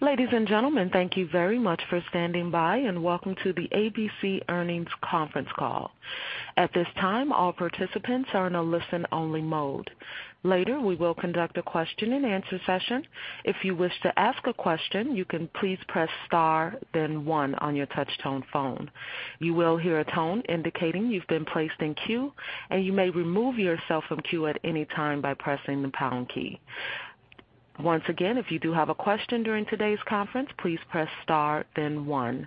Ladies and gentlemen, thank you very much for standing by, and welcome to the AmerisourceBergen Earnings Conference Call. At this time, all participants are in a listen-only mode. Later, we will conduct a question-and-answer session. If you wish to ask a question, you can please press star then one on your touchtone phone. You will hear a tone indicating you've been placed in queue, and you may remove yourself from queue at any time by pressing the pound key. Once again, if you do have a question during today's conference, please press star then one.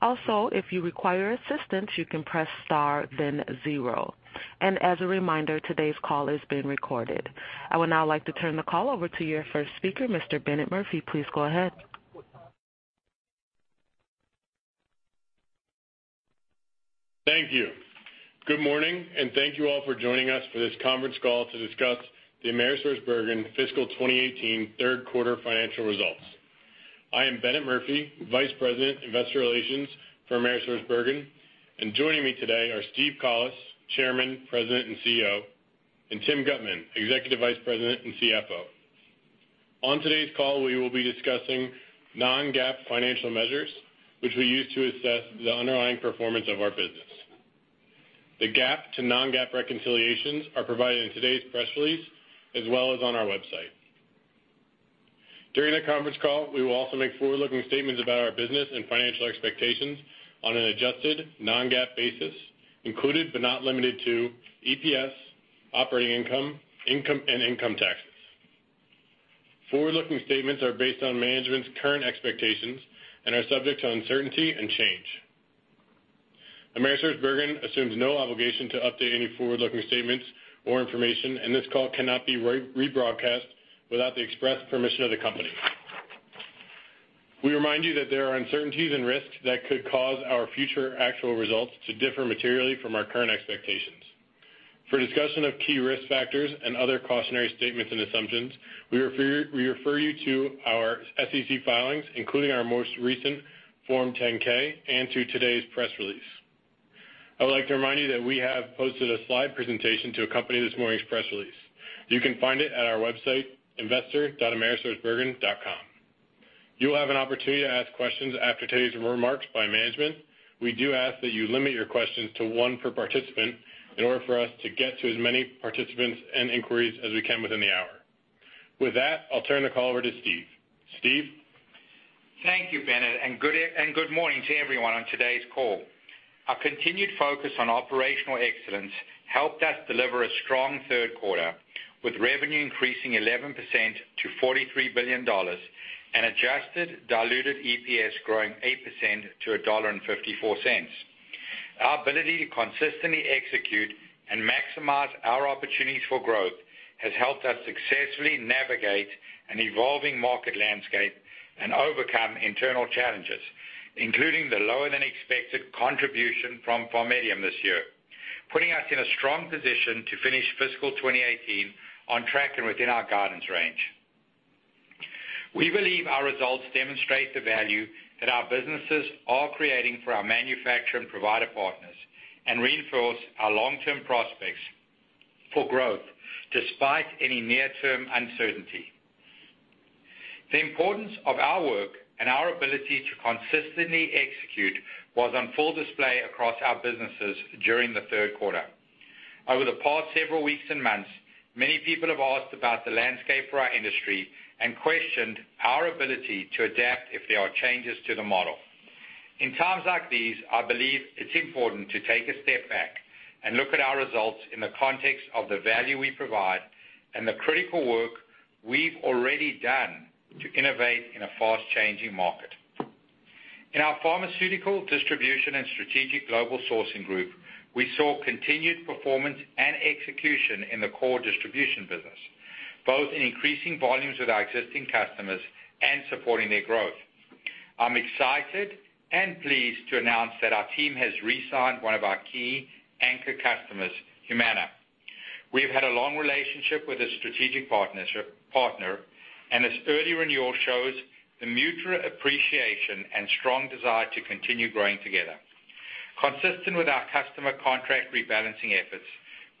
Also, if you require assistance, you can press star then zero. As a reminder, today's call is being recorded. I would now like to turn the call over to your first speaker, Mr. Bennett Murphy. Please go ahead. Thank you. Good morning, and thank you all for joining us for this conference call to discuss the AmerisourceBergen fiscal 2018 third quarter financial results. I am Bennett Murphy, Vice President, Investor Relations for AmerisourceBergen. Joining me today are Steve Collis, Chairman, President, and CEO, and Tim Guttman, Executive Vice President and CFO. On today's call, we will be discussing non-GAAP financial measures, which we use to assess the underlying performance of our business. The GAAP to non-GAAP reconciliations are provided in today's press release as well as on our website. During the conference call, we will also make forward-looking statements about our business and financial expectations on an adjusted non-GAAP basis, included but not limited to EPS, operating income, and income taxes. Forward-looking statements are based on management's current expectations and are subject to uncertainty and change. AmerisourceBergen assumes no obligation to update any forward-looking statements or information. This call cannot be rebroadcast without the express permission of the company. We remind you that there are uncertainties and risks that could cause our future actual results to differ materially from our current expectations. For discussion of key risk factors and other cautionary statements and assumptions, we refer you to our SEC filings, including our most recent Form 10-K, and to today's press release. I would like to remind you that we have posted a slide presentation to accompany this morning's press release. You can find it at our website, investor.amerisourcebergen.com. You will have an opportunity to ask questions after today's remarks by management. We do ask that you limit your questions to one per participant in order for us to get to as many participants and inquiries as we can within the hour. With that, I'll turn the call over to Steve. Steve? Thank you, Bennett, and good morning to everyone on today's call. Our continued focus on operational excellence helped us deliver a strong third quarter, with revenue increasing 11% to $43 billion and adjusted diluted EPS growing 8% to $1.54. Our ability to consistently execute and maximize our opportunities for growth has helped us successfully navigate an evolving market landscape and overcome internal challenges, including the lower than expected contribution from PharMEDium this year, putting us in a strong position to finish fiscal 2018 on track and within our guidance range. We believe our results demonstrate the value that our businesses are creating for our manufacturer and provider partners and reinforce our long-term prospects for growth despite any near-term uncertainty. The importance of our work and our ability to consistently execute was on full display across our businesses during the third quarter. Over the past several weeks and months, many people have asked about the landscape for our industry and questioned our ability to adapt if there are changes to the model. In times like these, I believe it's important to take a step back and look at our results in the context of the value we provide and the critical work we've already done to innovate in a fast-changing market. In our pharmaceutical distribution and strategic global sourcing group, we saw continued performance and execution in the core distribution business, both in increasing volumes with our existing customers and supporting their growth. I'm excited and pleased to announce that our team has re-signed one of our key anchor customers, Humana. We've had a long relationship with this strategic partner, and this early renewal shows the mutual appreciation and strong desire to continue growing together. Consistent with our customer contract rebalancing efforts,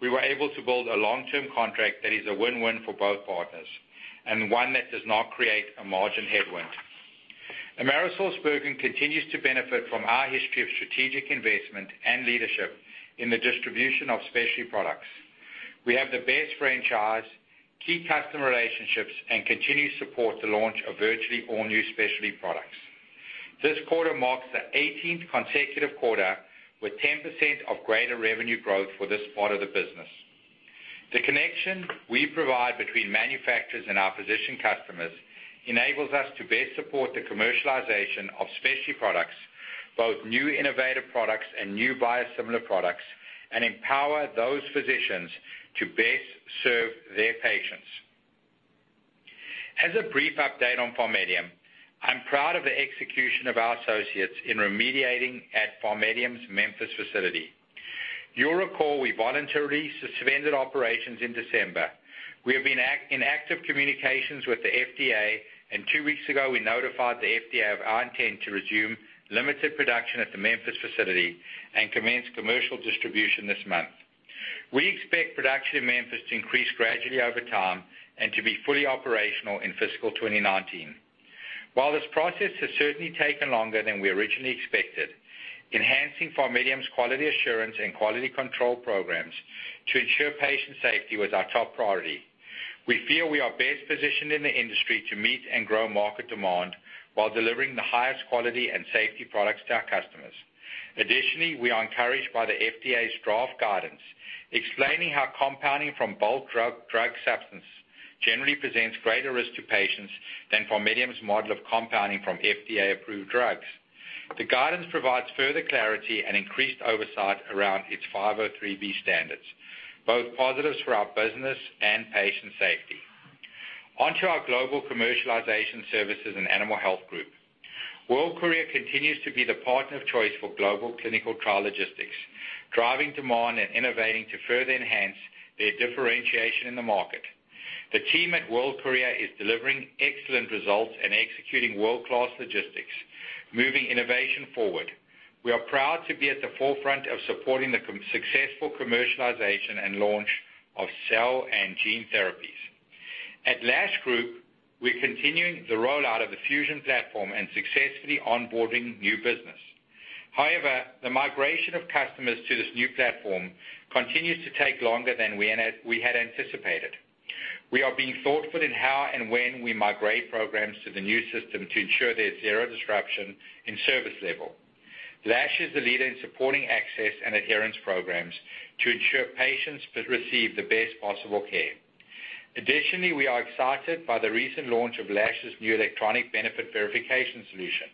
we were able to build a long-term contract that is a win-win for both partners, and one that does not create a margin headwind. AmerisourceBergen continues to benefit from our history of strategic investment and leadership in the distribution of specialty products. We have the best franchise, key customer relationships, and continued support to launch of virtually all new specialty products. This quarter marks the 18th consecutive quarter with 10% of greater revenue growth for this part of the business. The connection we provide between manufacturers and our physician customers enables us to best support the commercialization of specialty products, both new innovative products and new biosimilar products, and empower those physicians to best serve their patients. As a brief update on PharMEDium, I'm proud of the execution of our associates in remediating at PharMEDium's Memphis facility. You'll recall we voluntarily suspended operations in December. We have been in active communications with the FDA, and two weeks ago, we notified the FDA of our intent to resume limited production at the Memphis facility and commence commercial distribution this month. We expect production in Memphis to increase gradually over time and to be fully operational in fiscal 2019. While this process has certainly taken longer than we originally expected, enhancing PharMEDium's quality assurance and quality control programs to ensure patient safety was our top priority. We feel we are best positioned in the industry to meet and grow market demand while delivering the highest quality and safety products to our customers. Additionally, we are encouraged by the FDA's draft guidance explaining how compounding from bulk drug substance generally presents greater risk to patients than PharMEDium's model of compounding from FDA-approved drugs. The guidance provides further clarity and increased oversight around its 503B standards, both positives for our business and patient safety. On to our global commercialization services and Animal Health group. World Courier continues to be the partner of choice for global clinical trial logistics, driving demand and innovating to further enhance their differentiation in the market. The team at World Courier is delivering excellent results and executing world-class logistics, moving innovation forward. We are proud to be at the forefront of supporting the successful commercialization and launch of cell and gene therapies. At Lash Group, we're continuing the rollout of the Fusion platform and successfully onboarding new business. However, the migration of customers to this new platform continues to take longer than we had anticipated. We are being thoughtful in how and when we migrate programs to the new system to ensure there's zero disruption in service level. Lash is the leader in supporting access and adherence programs to ensure patients receive the best possible care. Additionally, we are excited by the recent launch of Lash's new electronic benefit verification solution,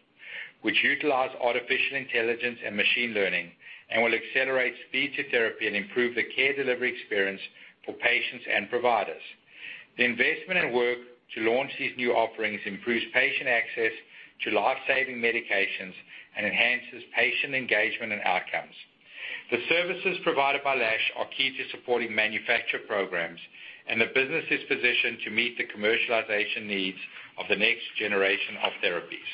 which utilize artificial intelligence and machine learning and will accelerate speed to therapy and improve the care delivery experience for patients and providers. The investment and work to launch these new offerings improves patient access to life-saving medications and enhances patient engagement and outcomes. The services provided by Lash are key to supporting manufacturer programs, and the business is positioned to meet the commercialization needs of the next generation of therapies.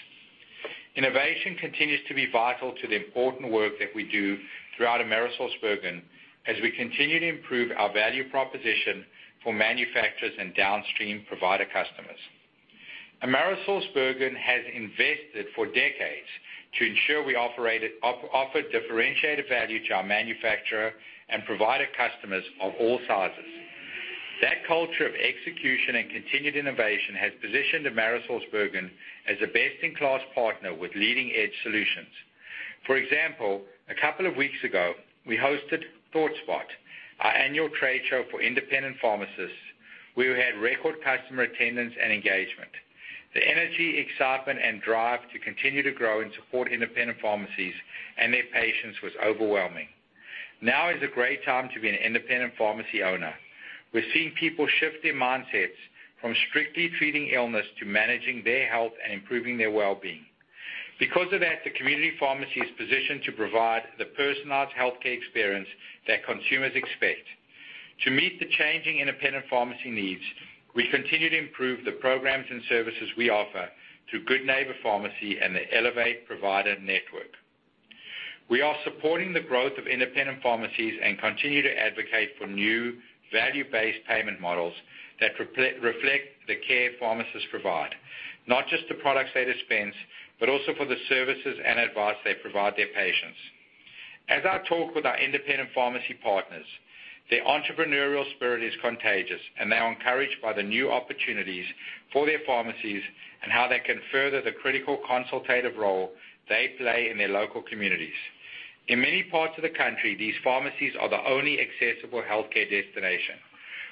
Innovation continues to be vital to the important work that we do throughout AmerisourceBergen as we continue to improve our value proposition for manufacturers and downstream provider customers. Cencora has invested for decades to ensure we offer differentiated value to our manufacturer and provider customers of all sizes. That culture of execution and continued innovation has positioned Cencora as a best-in-class partner with leading-edge solutions. For example, a couple of weeks ago, we hosted ThoughtSpot, our annual trade show for independent pharmacists. We had record customer attendance and engagement. The energy, excitement, and drive to continue to grow and support independent pharmacies and their patients was overwhelming. Now is a great time to be an independent pharmacy owner. We're seeing people shift their mindsets from strictly treating illness to managing their health and improving their wellbeing. Because of that, the community pharmacy is positioned to provide the personalized healthcare experience that consumers expect. To meet the changing independent pharmacy needs, we continue to improve the programs and services we offer through Good Neighbor Pharmacy and the Elevate Provider Network. We are supporting the growth of independent pharmacies and continue to advocate for new value-based payment models that reflect the care pharmacists provide, not just the products they dispense, but also for the services and advice they provide their patients. As I talk with our independent pharmacy partners, their entrepreneurial spirit is contagious, and they are encouraged by the new opportunities for their pharmacies and how they can further the critical consultative role they play in their local communities. In many parts of the country, these pharmacies are the only accessible healthcare destination,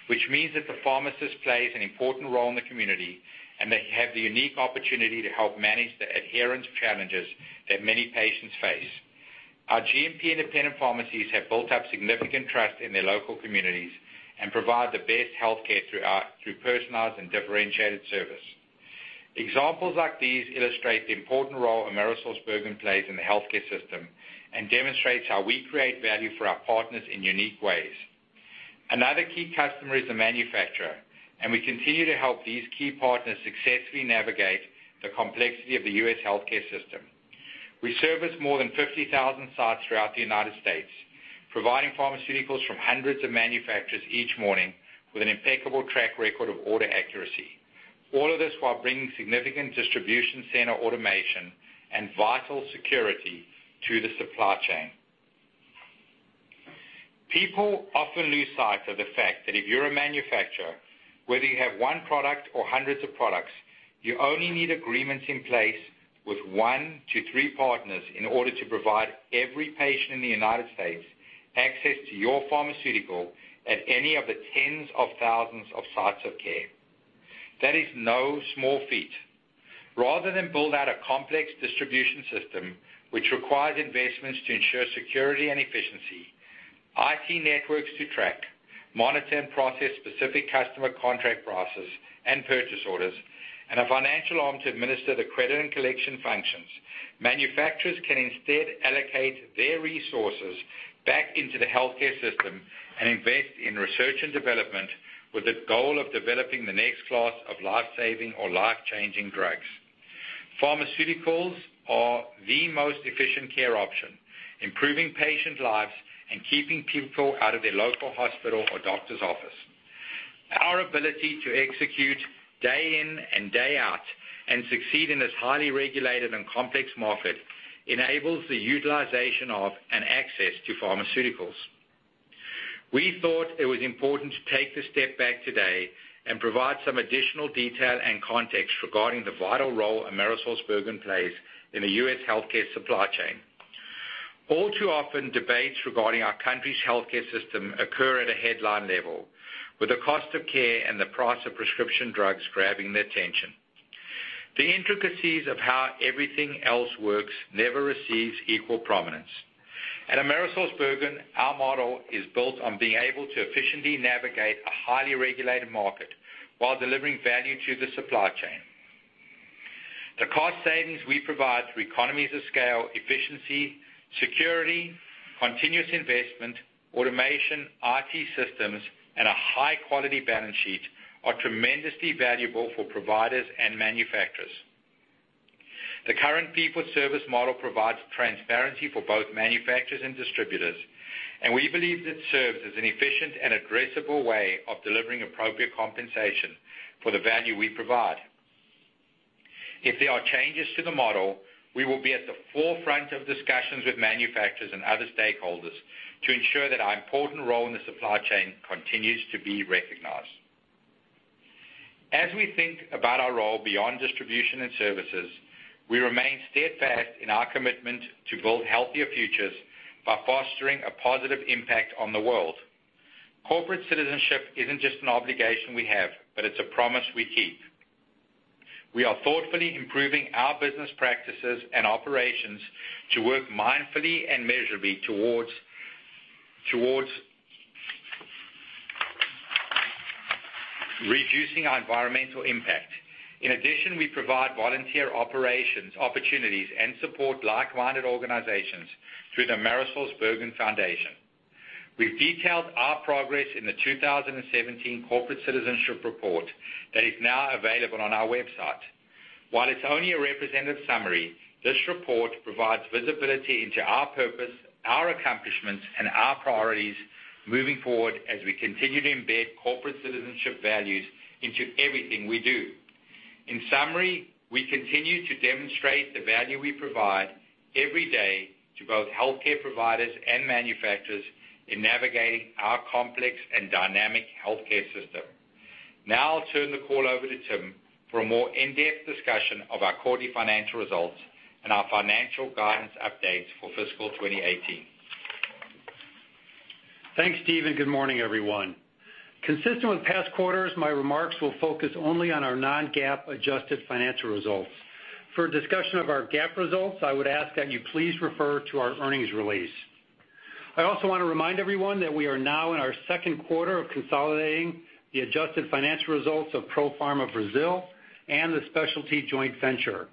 which means that the pharmacist plays an important role in the community, and they have the unique opportunity to help manage the adherence challenges that many patients face. Our GNP independent pharmacies have built up significant trust in their local communities and provide the best healthcare through personalized and differentiated service. Examples like these illustrate the important role Cencora plays in the healthcare system and demonstrates how we create value for our partners in unique ways. Another key customer is the manufacturer, and we continue to help these key partners successfully navigate the complexity of the U.S. healthcare system. We service more than 50,000 sites throughout the United States, providing pharmaceuticals from hundreds of manufacturers each morning with an impeccable track record of order accuracy. All of this while bringing significant distribution center automation and vital security to the supply chain. People often lose sight of the fact that if you're a manufacturer, whether you have one product or hundreds of products, you only need agreements in place with one to three partners in order to provide every patient in the United States access to your pharmaceutical at any of the tens of thousands of sites of care. That is no small feat. Rather than build out a complex distribution system, which requires investments to ensure security and efficiency, IT networks to track, monitor, and process specific customer contract prices and purchase orders, and a financial arm to administer the credit and collection functions, manufacturers can instead allocate their resources back into the healthcare system and invest in R&D with the goal of developing the next class of life-saving or life-changing drugs. Pharmaceuticals are the most efficient care option, improving patient lives and keeping people out of their local hospital or doctor's office. Our ability to execute day in and day out and succeed in this highly regulated and complex market enables the utilization of, and access to pharmaceuticals. We thought it was important to take the step back today and provide some additional detail and context regarding the vital role Cencora plays in the U.S. healthcare supply chain. All too often, debates regarding our country's healthcare system occur at a headline level, with the cost of care and the price of prescription drugs grabbing the attention. The intricacies of how everything else works never receives equal prominence. At Cencora, our model is built on being able to efficiently navigate a highly regulated market while delivering value to the supply chain. The cost savings we provide through economies of scale, efficiency, security, continuous investment, automation, IT systems, and a high-quality balance sheet are tremendously valuable for providers and manufacturers. The current fee-for-service model provides transparency for both manufacturers and distributors, and we believe it serves as an efficient and addressable way of delivering appropriate compensation for the value we provide. If there are changes to the model, we will be at the forefront of discussions with manufacturers and other stakeholders to ensure that our important role in the supply chain continues to be recognized. As we think about our role beyond distribution and services, we remain steadfast in our commitment to build healthier futures by fostering a positive impact on the world. Corporate citizenship isn't just an obligation we have, but it's a promise we keep. We are thoughtfully improving our business practices and operations to work mindfully and measurably towards reducing our environmental impact. In addition, we provide volunteer operations opportunities and support like-minded organizations through the AmerisourceBergen Foundation. We've detailed our progress in the 2017 Corporate Citizenship Report that is now available on our website. While it's only a representative summary, this report provides visibility into our purpose, our accomplishments, and our priorities moving forward as we continue to embed corporate citizenship values into everything we do. In summary, we continue to demonstrate the value we provide every day to both healthcare providers and manufacturers in navigating our complex and dynamic healthcare system. Now I'll turn the call over to Tim for a more in-depth discussion of our quarterly financial results and our financial guidance updates for fiscal 2018. Thanks, Steve. Good morning, everyone. Consistent with past quarters, my remarks will focus only on our non-GAAP adjusted financial results. For a discussion of our GAAP results, I would ask that you please refer to our earnings release. I also want to remind everyone that we are now in our second quarter of consolidating the adjusted financial results of Profarma of Brazil and the specialty joint venture.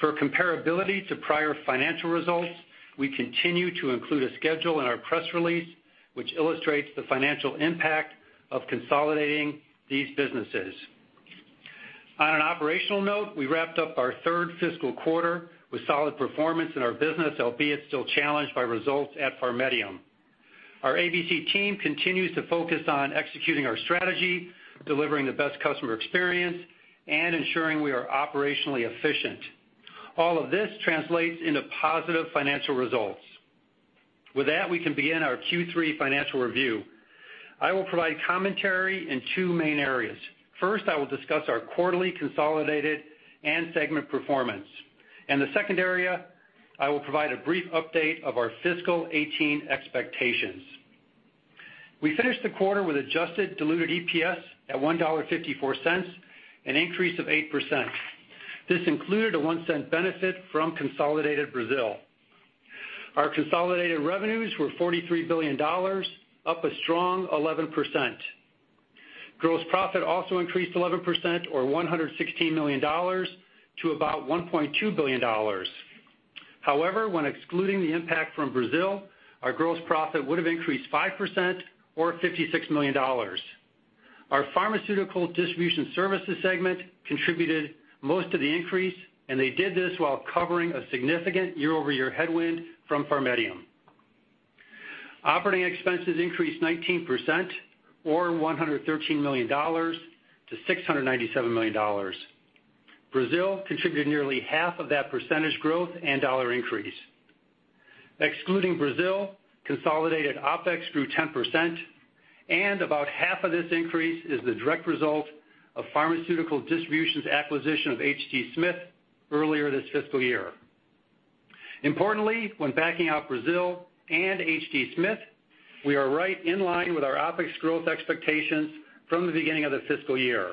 For comparability to prior financial results, we continue to include a schedule in our press release, which illustrates the financial impact of consolidating these businesses. On an operational note, we wrapped up our third fiscal quarter with solid performance in our business, albeit still challenged by results at PharMEDium. Our ABC team continues to focus on executing our strategy, delivering the best customer experience, and ensuring we are operationally efficient. All of this translates into positive financial results. With that, we can begin our Q3 financial review. I will provide commentary in two main areas. First, I will discuss our quarterly consolidated and segment performance. In the second area, I will provide a brief update of our fiscal 2018 expectations. We finished the quarter with adjusted diluted EPS at $1.54, an increase of 8%. This included a $0.01 benefit from consolidated Brazil. Our consolidated revenues were $43 billion, up a strong 11%. Gross profit also increased 11%, or $116 million, to about $1.2 billion. However, when excluding the impact from Brazil, our gross profit would have increased 5%, or $56 million. Our Pharmaceutical Distribution Services segment contributed most of the increase, and they did this while covering a significant year-over-year headwind from PharMEDium. Operating expenses increased 19%, or $113 million, to $697 million. Brazil contributed nearly half of that percentage growth and dollar increase. Excluding Brazil, consolidated OpEx grew 10%, and about half of this increase is the direct result of Pharmaceutical Distribution's acquisition of H.D. Smith earlier this fiscal year. Importantly, when backing out Brazil and H.D. Smith, we are right in line with our OpEx growth expectations from the beginning of the fiscal year.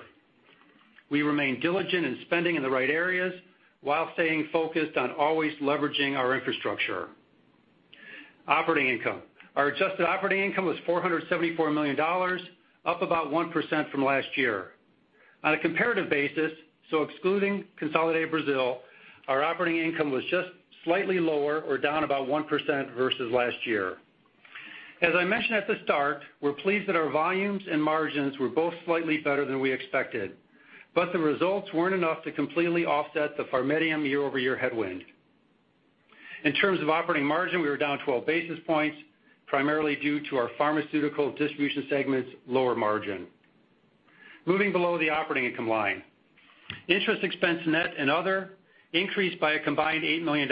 We remain diligent in spending in the right areas while staying focused on always leveraging our infrastructure. Operating income. Our adjusted operating income was $474 million, up about 1% from last year. On a comparative basis, so excluding consolidated Brazil, our operating income was just slightly lower or down about 1% versus last year. As I mentioned at the start, we're pleased that our volumes and margins were both slightly better than we expected. But the results weren't enough to completely offset the PharMEDium year-over-year headwind. In terms of operating margin, we were down 12 basis points, primarily due to our pharmaceutical distribution segment's lower margin. Moving below the operating income line. Interest expense net and other increased by a combined $8 million.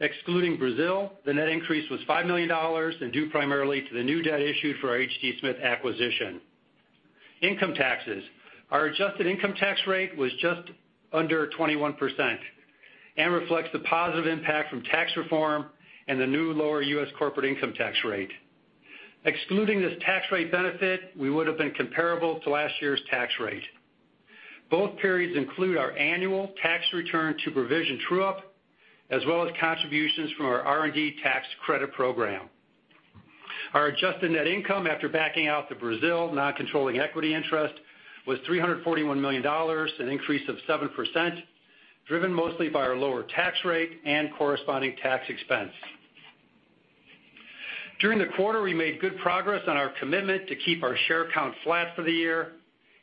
Excluding Brazil, the net increase was $5 million and due primarily to the new debt issued for our H.D. Smith acquisition. Income taxes. Our adjusted income tax rate was just under 21% and reflects the positive impact from tax reform and the new lower U.S. corporate income tax rate. Excluding this tax rate benefit, we would've been comparable to last year's tax rate. Both periods include our annual tax return to provision true-up, as well as contributions from our R&D tax credit program. Our adjusted net income after backing out the Brazil non-controlling equity interest was $341 million, an increase of 7%, driven mostly by our lower tax rate and corresponding tax expense. During the quarter, we made good progress on our commitment to keep our share count flat for the year.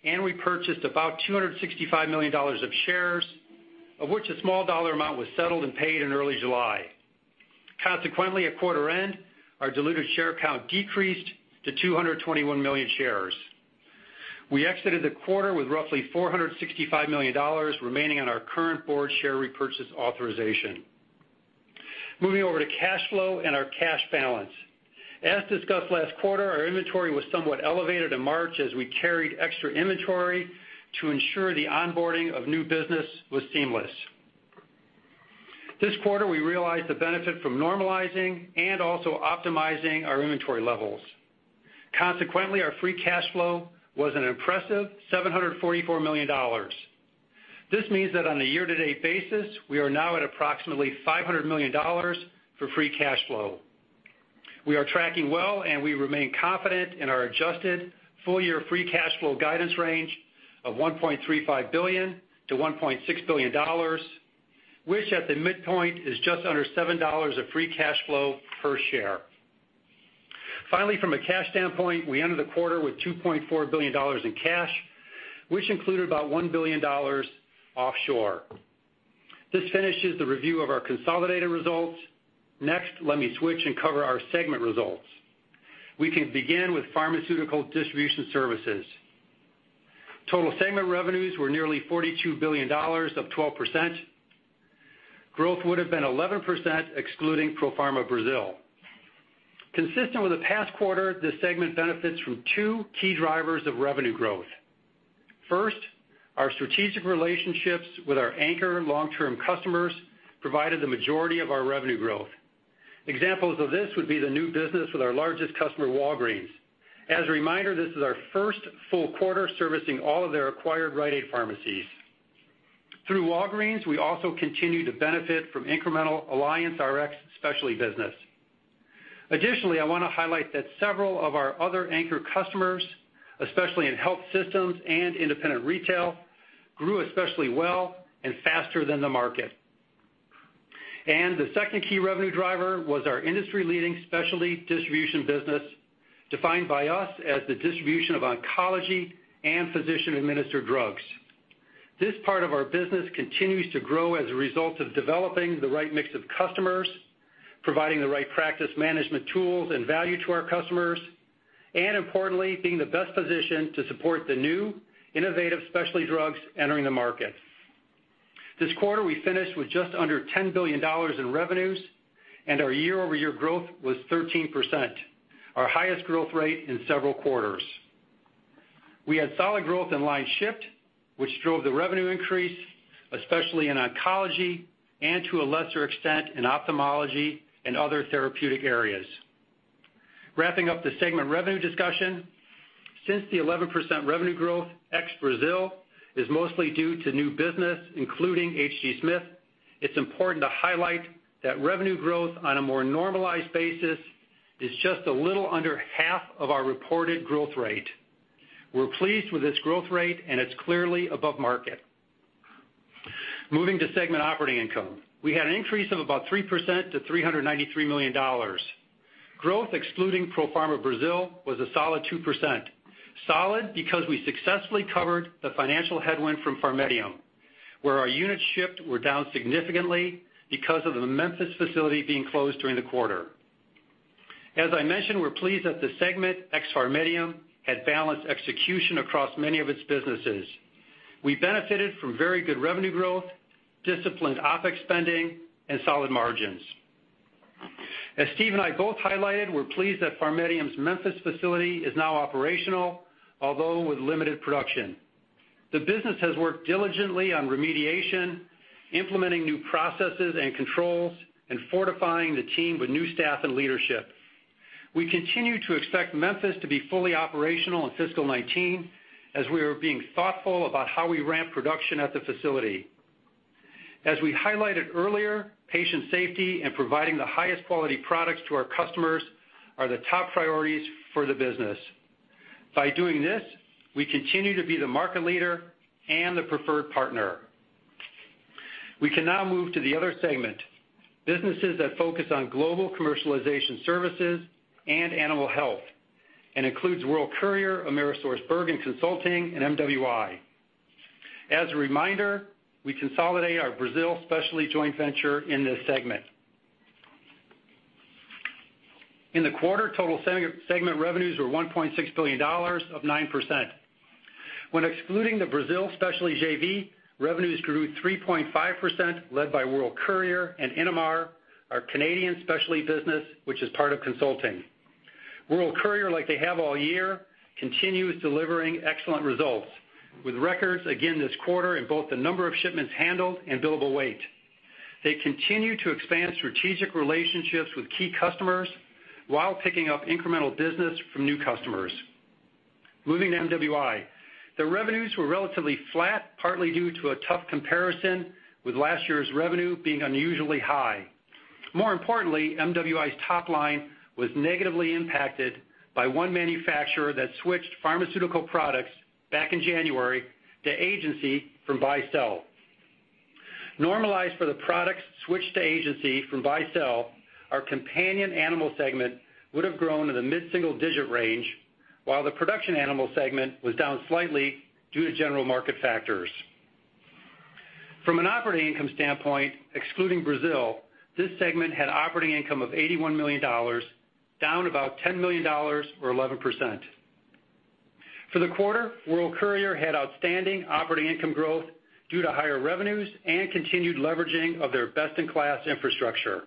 We purchased about $265 million of shares, of which a small dollar amount was settled and paid in early July. Consequently, at quarter end, our diluted share count decreased to 221 million shares. We exited the quarter with roughly $465 million remaining on our current board share repurchase authorization. Moving over to cash flow and our cash balance. As discussed last quarter, our inventory was somewhat elevated in March as we carried extra inventory to ensure the onboarding of new business was seamless. This quarter, we realized the benefit from normalizing and also optimizing our inventory levels. Consequently, our free cash flow was an impressive $744 million. This means that on a year-to-date basis, we are now at approximately $500 million for free cash flow. We are tracking well. We remain confident in our adjusted full-year free cash flow guidance range of $1.35 billion-$1.6 billion, which at the midpoint is just under $7 of free cash flow per share. Finally, from a cash standpoint, we ended the quarter with $2.4 billion in cash, which included about $1 billion offshore. This finishes the review of our consolidated results. Next, let me switch and cover our segment results. We can begin with pharmaceutical distribution services. Total segment revenues were nearly $42 billion, up 12%. Growth would've been 11% excluding Profarma Brazil. Consistent with the past quarter, this segment benefits from two key drivers of revenue growth. First, our strategic relationships with our anchor long-term customers provided the majority of our revenue growth. Examples of this would be the new business with our largest customer, Walgreens. As a reminder, this is our first full quarter servicing all of their acquired Rite Aid pharmacies. Through Walgreens, we also continue to benefit from incremental AllianceRx specialty business. Additionally, I want to highlight that several of our other anchor customers, especially in health systems and independent retail, grew especially well and faster than the market. The second key revenue driver was our industry-leading specialty distribution business, defined by us as the distribution of oncology and physician-administered drugs. This part of our business continues to grow as a result of developing the right mix of customers, providing the right practice management tools and value to our customers, and importantly, being the best positioned to support the new innovative specialty drugs entering the market. This quarter, we finished with just under $10 billion in revenues, and our year-over-year growth was 13%, our highest growth rate in several quarters. We had solid growth in line shift, which drove the revenue increase, especially in oncology and to a lesser extent, in ophthalmology and other therapeutic areas. Wrapping up the segment revenue discussion, since the 11% revenue growth ex Brazil is mostly due to new business, including H.D. Smith, it's important to highlight that revenue growth on a more normalized basis is just a little under half of our reported growth rate. We're pleased with this growth rate, and it's clearly above market. Moving to segment operating income. We had an increase of about 3% to $393 million. Growth excluding Profarma Brazil was a solid 2%. Solid because we successfully covered the financial headwind from PharMEDium, where our units shipped were down significantly because of the Memphis facility being closed during the quarter. As I mentioned, we're pleased that the segment ex PharMEDium had balanced execution across many of its businesses. We benefited from very good revenue growth, disciplined OpEx spending, and solid margins. As Steve and I both highlighted, we're pleased that PharMEDium's Memphis facility is now operational, although with limited production. The business has worked diligently on remediation, implementing new processes and controls, and fortifying the team with new staff and leadership. We continue to expect Memphis to be fully operational in fiscal 2019, as we are being thoughtful about how we ramp production at the facility. As we highlighted earlier, patient safety and providing the highest quality products to our customers are the top priorities for the business. By doing this, we continue to be the market leader and the preferred partner. We can now move to the other segment, businesses that focus on global commercialization services and animal health, and includes World Courier, AmerisourceBergen Consulting, and MWI. As a reminder, we consolidate our Brazil specialty joint venture in this segment. In the quarter, total segment revenues were $1.6 billion of 9%. When excluding the Brazil specialty JV, revenues grew 3.5%, led by World Courier and Innomar, our Canadian specialty business, which is part of consulting. World Courier, like they have all year, continues delivering excellent results with records again this quarter in both the number of shipments handled and billable weight. They continue to expand strategic relationships with key customers while picking up incremental business from new customers. Moving to MWI, the revenues were relatively flat, partly due to a tough comparison with last year's revenue being unusually high. More importantly, MWI's top line was negatively impacted by one manufacturer that switched pharmaceutical products back in January to agency from buy-sell. Normalized for the products switched to agency from buy-sell, our companion animal segment would have grown in the mid-single-digit range, while the production animal segment was down slightly due to general market factors. From an operating income standpoint, excluding Brazil, this segment had operating income of $81 million, down about $10 million or 11%. For the quarter, World Courier had outstanding operating income growth due to higher revenues and continued leveraging of their best-in-class infrastructure.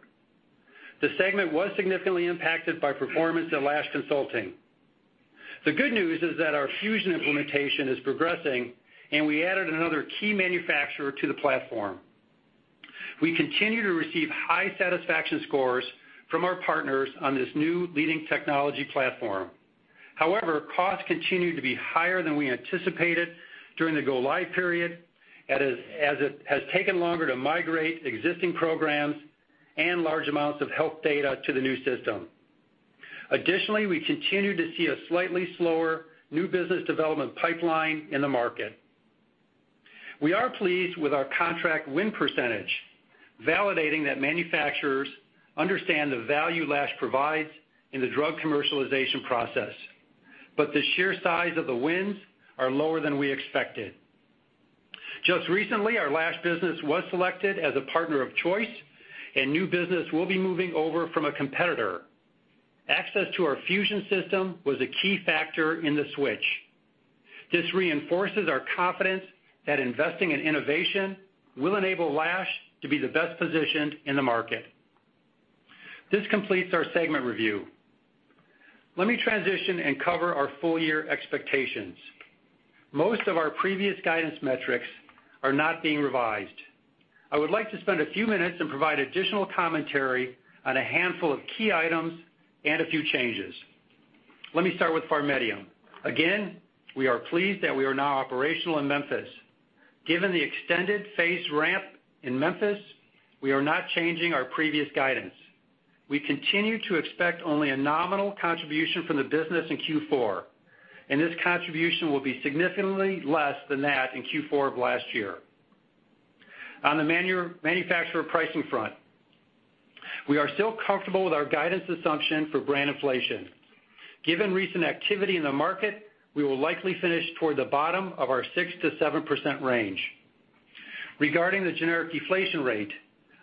The segment was significantly impacted by performance at Lash Group. The good news is that our Fusion implementation is progressing, and we added another key manufacturer to the platform. We continue to receive high satisfaction scores from our partners on this new leading technology platform. However, costs continued to be higher than we anticipated during the go live period, as it has taken longer to migrate existing programs and large amounts of health data to the new system. Additionally, we continue to see a slightly slower new business development pipeline in the market. We are pleased with our contract win percentage, validating that manufacturers understand the value Lash provides in the drug commercialization process. The sheer size of the wins are lower than we expected. Just recently, our Lash business was selected as a partner of choice, and new business will be moving over from a competitor. Access to our Fusion system was a key factor in the switch. This reinforces our confidence that investing in innovation will enable Lash to be the best positioned in the market. This completes our segment review. Let me transition and cover our full year expectations. Most of our previous guidance metrics are not being revised. I would like to spend a few minutes and provide additional commentary on a handful of key items and a few changes. Let me start with PharMEDium. Again, we are pleased that we are now operational in Memphis. Given the extended phase ramp in Memphis, we are not changing our previous guidance. We continue to expect only a nominal contribution from the business in Q4, and this contribution will be significantly less than that in Q4 of last year. On the manufacturer pricing front, we are still comfortable with our guidance assumption for brand inflation. Given recent activity in the market, we will likely finish toward the bottom of our 6%-7% range. Regarding the generic deflation rate,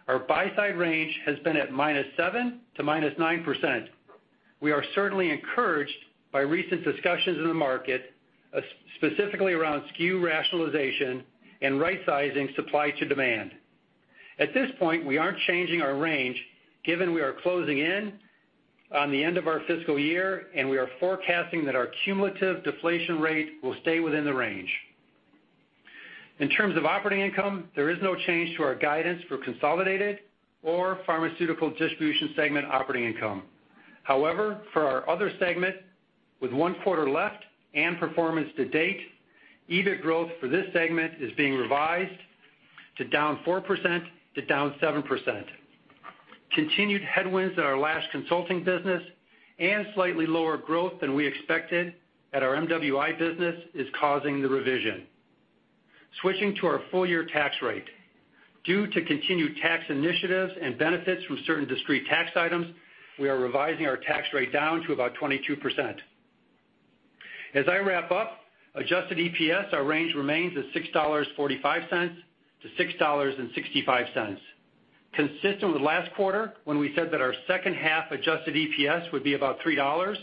our buy side range has been at -7% to -9%. We are certainly encouraged by recent discussions in the market, specifically around SKU rationalization and right-sizing supply to demand. At this point, we aren't changing our range, given we are closing in on the end of our fiscal year and we are forecasting that our cumulative deflation rate will stay within the range. In terms of operating income, there is no change to our guidance for consolidated or pharmaceutical distribution segment operating income. However, for our other segment, with one quarter left and performance to date, EBIT growth for this segment is being revised to -4% to -7%. Continued headwinds at our Lash Consulting business and slightly lower growth than we expected at our MWI business is causing the revision. Switching to our full year tax rate. Due to continued tax initiatives and benefits from certain discrete tax items, we are revising our tax rate down to about 22%. As I wrap up, adjusted EPS, our range remains at $6.45-$6.65. Consistent with last quarter, when we said that our second half adjusted EPS would be about $3,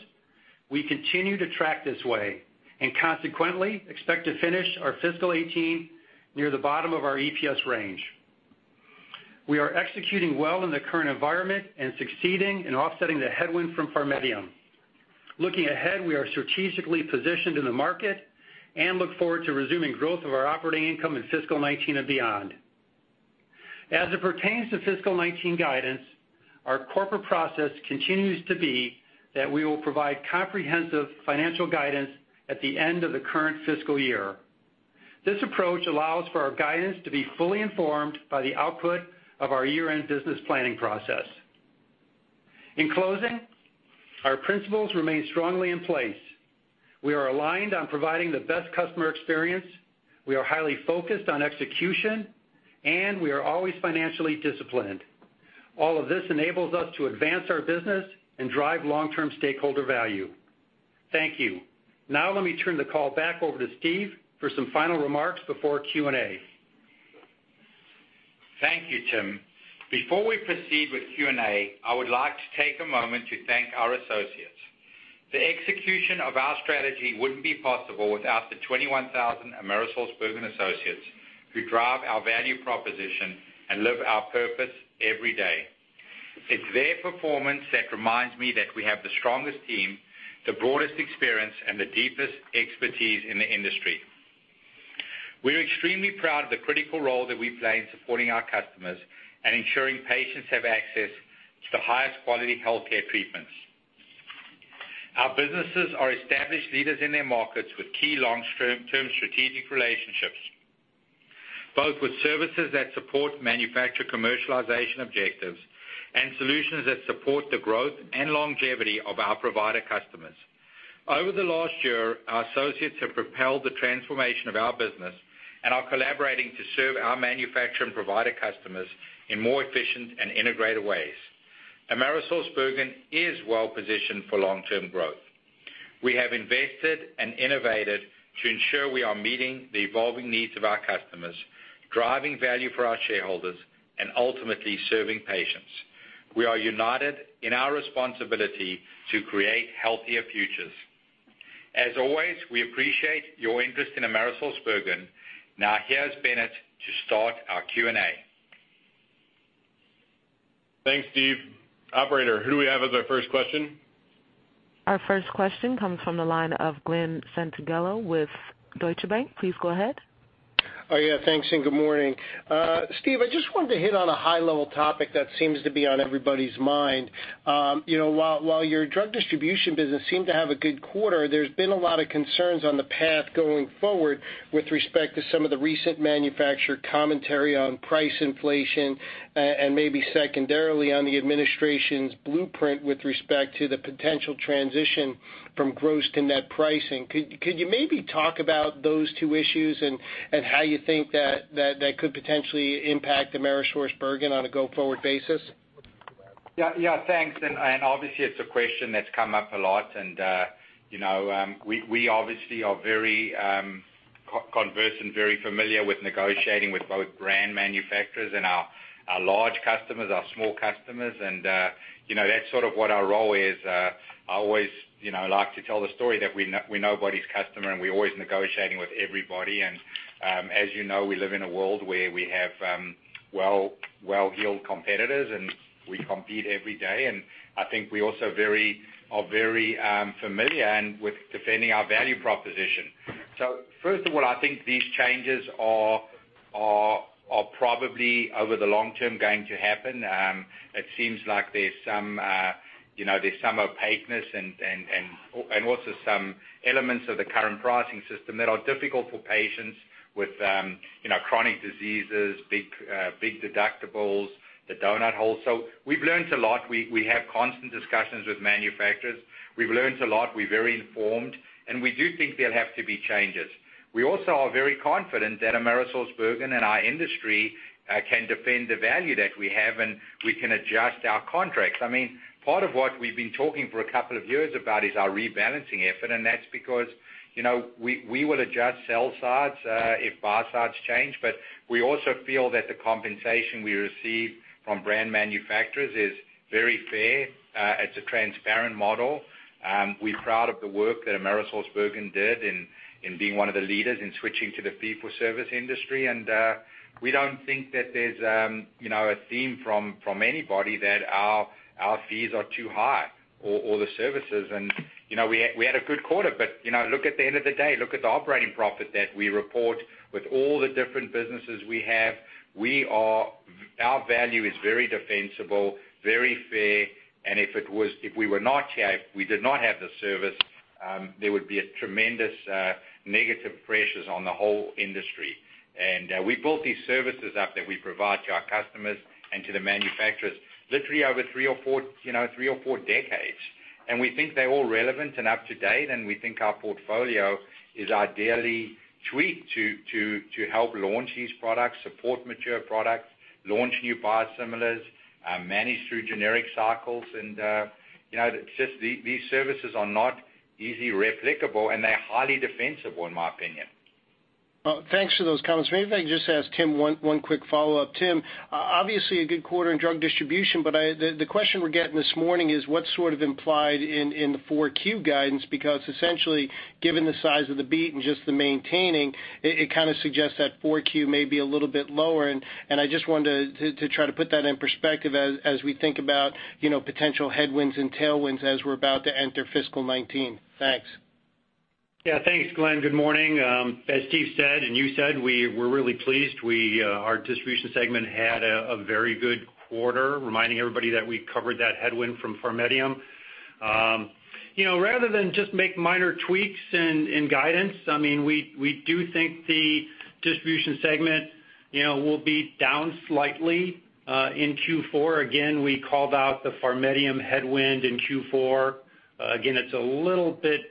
we continue to track this way and consequently expect to finish our fiscal 2018 near the bottom of our EPS range. We are executing well in the current environment and succeeding in offsetting the headwind from PharMEDium. Looking ahead, we are strategically positioned in the market and look forward to resuming growth of our operating income in fiscal 2019 and beyond. As it pertains to fiscal 2019 guidance, our corporate process continues to be that we will provide comprehensive financial guidance at the end of the current fiscal year. This approach allows for our guidance to be fully informed by the output of our year-end business planning process. In closing, our principles remain strongly in place. We are aligned on providing the best customer experience, we are highly focused on execution, and we are always financially disciplined. All of this enables us to advance our business and drive long-term stakeholder value. Thank you. Now let me turn the call back over to Steve for some final remarks before Q&A. Thank you, Tim. Before we proceed with Q&A, I would like to take a moment to thank our associates. The execution of our strategy wouldn't be possible without the 21,000 AmerisourceBergen associates who drive our value proposition and live our purpose every day. It's their performance that reminds me that we have the strongest team, the broadest experience, and the deepest expertise in the industry. We're extremely proud of the critical role that we play in supporting our customers and ensuring patients have access to the highest quality healthcare treatments. Our businesses are established leaders in their markets with key long-term strategic relationships, both with services that support manufacturer commercialization objectives and solutions that support the growth and longevity of our provider customers. Over the last year, our associates have propelled the transformation of our business and are collaborating to serve our manufacturer and provider customers in more efficient and integrated ways. AmerisourceBergen is well positioned for long-term growth. We have invested and innovated to ensure we are meeting the evolving needs of our customers, driving value for our shareholders, and ultimately serving patients. We are united in our responsibility to create healthier futures. As always, we appreciate your interest in AmerisourceBergen. Now, here's Bennett to start our Q&A. Thanks, Steve. Operator, who do we have as our first question? Our first question comes from the line of Glen Santangelo with Deutsche Bank. Please go ahead. Thanks, and good morning. Steve, I just wanted to hit on a high-level topic that seems to be on everybody's mind. While your drug distribution business seemed to have a good quarter, there's been a lot of concerns on the path going forward with respect to some of the recent manufacturer commentary on price inflation, and maybe secondarily on the administration's blueprint with respect to the potential transition from gross to net pricing. Could you maybe talk about those two issues, and how you think that could potentially impact AmerisourceBergen on a go-forward basis? Thanks. Obviously, it's a question that's come up a lot, we obviously are very conversant and very familiar with negotiating with both brand manufacturers and our large customers, our small customers, that's sort of what our role is. I always like to tell the story that we know everybody's customer, and we're always negotiating with everybody. As you know, we live in a world where we have well-heeled competitors, and we compete every day. I think we also are very familiar with defending our value proposition. First of all, I think these changes are probably, over the long term, going to happen. It seems like there's some opaqueness and also some elements of the current pricing system that are difficult for patients with chronic diseases, big deductibles, the doughnut hole. We've learned a lot. We have constant discussions with manufacturers. We've learned a lot, we're very informed, and we do think there'll have to be changes. We also are very confident that AmerisourceBergen and our industry can defend the value that we have, and we can adjust our contracts. Part of what we've been talking for a couple of years about is our rebalancing effort, that's because we will adjust sell sides, if buy sides change. We also feel that the compensation we receive from brand manufacturers is very fair. It's a transparent model. We're proud of the work that AmerisourceBergen did in being one of the leaders in switching to the fee-for-service industry. We don't think that there's a theme from anybody that our fees are too high, or the services. We had a good quarter, but look at the end of the day, look at the operating profit that we report with all the different businesses we have. Our value is very defensible, very fair, and if we did not have the service, there would be a tremendous negative pressures on the whole industry. We built these services up that we provide to our customers and to the manufacturers, literally over three or four decades. We think they're all relevant and up to date, and we think our portfolio is ideally tweaked to help launch these products, support mature products, launch new biosimilars, manage through generic cycles. These services are not easily replicable, and they're highly defensible, in my opinion. Thanks for those comments. Maybe if I could just ask Tim one quick follow-up. Tim, obviously a good quarter in drug distribution, but the question we're getting this morning is what's sort of implied in the four Q guidance, because essentially, given the size of the beat and just the maintaining, it kind of suggests that four Q may be a little bit lower, and I just wanted to try to put that in perspective as we think about potential headwinds and tailwinds as we're about to enter fiscal 2019. Thanks. Thanks, Glen. Good morning. As Steve said, and you said, we're really pleased. Our distribution segment had a very good quarter, reminding everybody that we covered that headwind from PharMEDium. Rather than just make minor tweaks in guidance, we do think the distribution segment will be down slightly in Q4. Again, we called out the PharMEDium headwind in Q4. Again, it's a little bit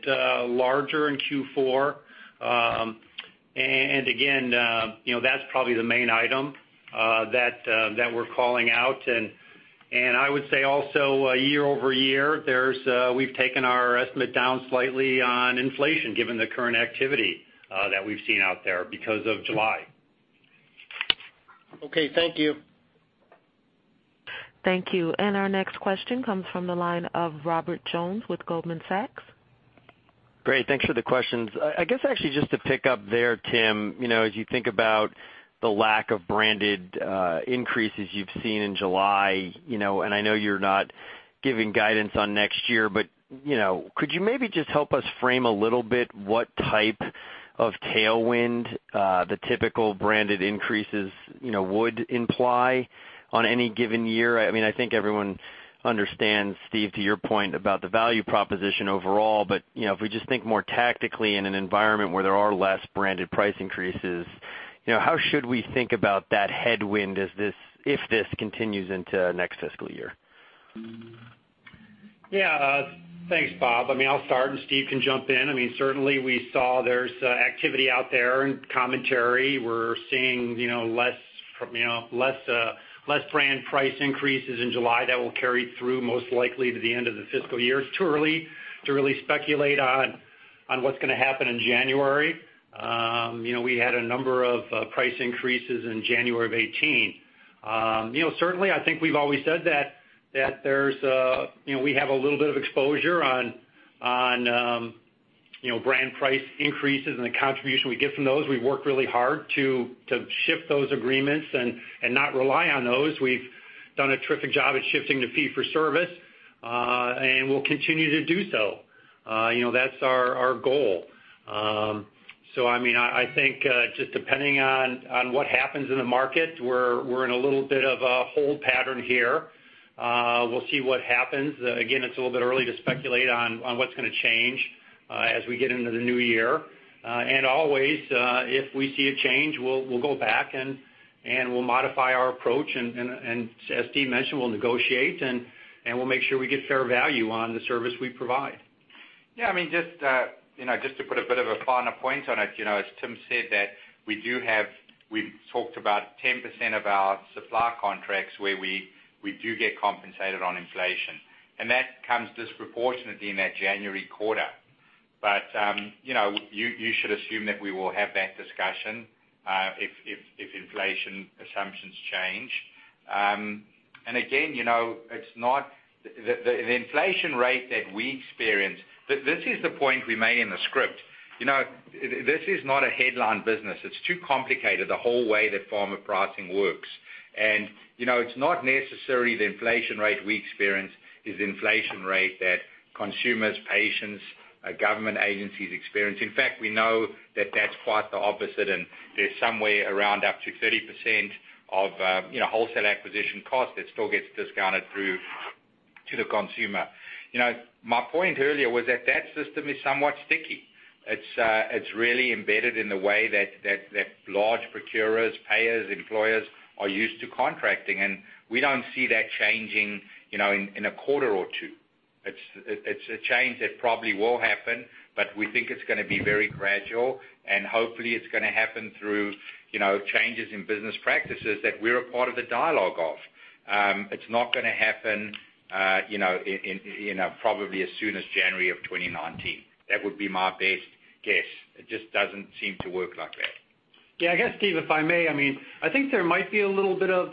larger in Q4. Again, that's probably the main item that we're calling out. I would say also, year-over-year, we've taken our estimate down slightly on inflation given the current activity that we've seen out there because of July. Okay, thank you. Thank you. Our next question comes from the line of Robert Jones with Goldman Sachs. Great. Thanks for the questions. I guess actually just to pick up there, Tim, as you think about the lack of branded increases you've seen in July, and I know you're not giving guidance on next year, but could you maybe just help us frame a little bit what type of tailwind the typical branded increases would imply on any given year? I think everyone understands, Steve, to your point about the value proposition overall, but, if we just think more tactically in an environment where there are less branded price increases, how should we think about that headwind if this continues into next fiscal year? Yeah. Thanks, Bob. I'll start, and Steve can jump in. Certainly, we saw there's activity out there and commentary. We're seeing less brand price increases in July that will carry through most likely to the end of the fiscal year. It's too early to really speculate on what's going to happen in January. We had a number of price increases in January of 2018. Certainly, I think we've always said that we have a little bit of exposure on brand price increases and the contribution we get from those. We've worked really hard to shift those agreements and not rely on those. We've done a terrific job at shifting to fee-for-service, and we'll continue to do so. That's our goal. I think, just depending on what happens in the market, we're in a little bit of a hold pattern here. We'll see what happens. Again, it's a little bit early to speculate on what's going to change as we get into the new year. Always, if we see a change, we'll go back and we'll modify our approach and as Steve mentioned, we'll negotiate, and we'll make sure we get fair value on the service we provide. Just to put a bit of a finer point on it, as Tim Guttman said, that we've talked about 10% of our supply contracts where we do get compensated on inflation, and that comes disproportionately in that January quarter. You should assume that we will have that discussion, if inflation assumptions change. Again, the inflation rate that we experience, this is the point we made in the script. This is not a headline business. It's too complicated the whole way that pharma pricing works. It's not necessarily the inflation rate we experience is the inflation rate that consumers, patients, government agencies experience. In fact, we know that that's quite the opposite, and there's somewhere around up to 30% of wholesale acquisition cost that still gets discounted through to the consumer. My point earlier was that system is somewhat sticky. It's really embedded in the way that large procurers, payers, employers are used to contracting. We don't see that changing in a quarter or two. It's a change that probably will happen, but we think it's going to be very gradual, and hopefully it's going to happen through changes in business practices that we're a part of the dialogue of. It's not going to happen in probably as soon as January of 2019. That would be my best guess. It just doesn't seem to work like that. I guess, Steve Collis, if I may, I think there might be a little bit of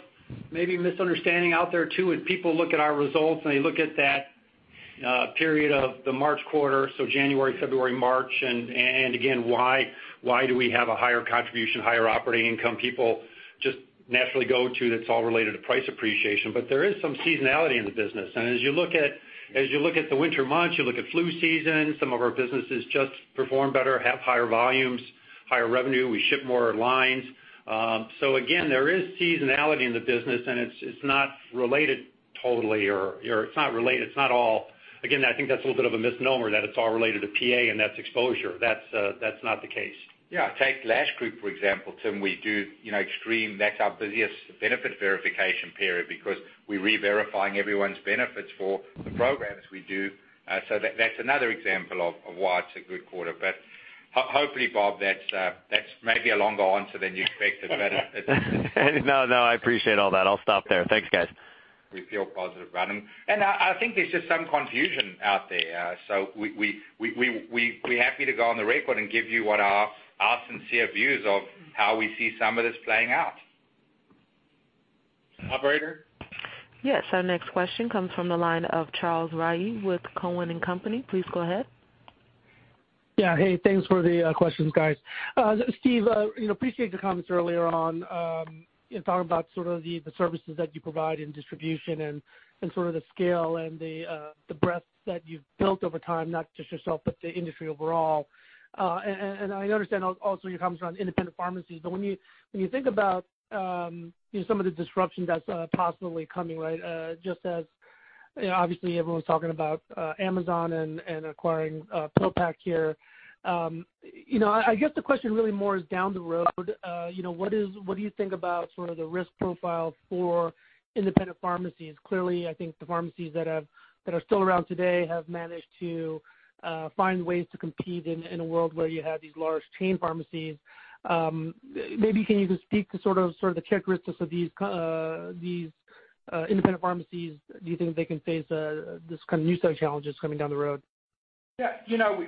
maybe misunderstanding out there, too, when people look at our results and they look at that period of the March quarter, so January, February, March. Again, why do we have a higher contribution, higher operating income? People just naturally go to that's all related to price appreciation. There is some seasonality in the business. As you look at the winter months, you look at flu season, some of our businesses just perform better, have higher volumes, higher revenue. We ship more lines. Again, there is seasonality in the business, and it's not related totally, or again, I think that's a little bit of a misnomer that it's all related to Prior Authorization and that's exposure. That's not the case. Take Lash Group, for example, Tim Guttman. That's our busiest benefit verification period because we're reverifying everyone's benefits for the programs we do. That's another example of why it's a good quarter. Hopefully, Robert, that's maybe a longer answer than you expected. No, I appreciate all that. I'll stop there. Thanks, guys. We feel positive about them. I think there's just some confusion out there. We're happy to go on the record and give you what our sincere views of how we see some of this playing out. Operator? Yes. Our next question comes from the line of Charles Rhyee with Cowen and Company. Please go ahead. Yeah. Hey, thanks for the questions, guys. Steve, appreciate your comments earlier on in talking about sort of the services that you provide in distribution and sort of the scale and the breadth that you've built over time, not just yourself, but the industry overall. I understand also your comments around independent pharmacies, when you think about some of the disruption that's possibly coming, just as Obviously, everyone's talking about Amazon and acquiring PillPack here. I guess the question really more is down the road, what do you think about the risk profile for independent pharmacies? Clearly, I think the pharmacies that are still around today have managed to find ways to compete in a world where you have these large chain pharmacies. Maybe can you just speak to sort of the characteristics of these independent pharmacies? Do you think they can face this kind of new set of challenges coming down the road?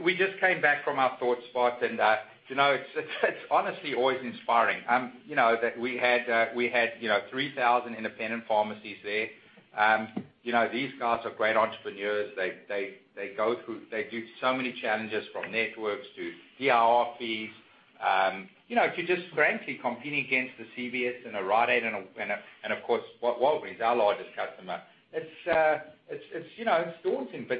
We just came back from our ThoughtSpot, and it's honestly always inspiring that we had 3,000 independent pharmacies there. These guys are great entrepreneurs. They do so many challenges from networks to DIR fees. To just frankly competing against the CVS and a Rite Aid and of course, Walgreens, our largest customer. It's daunting, but